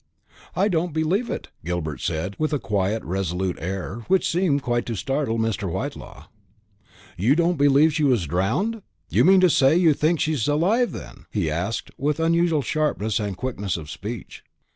"I don't believe it," Gilbert said, with a quiet resolute air, which seemed quite to startle Mr. Whitelaw. "You don't believe she was drowned! You mean to say you think she's alive, then?" he asked, with unusual sharpness and quickness of speech.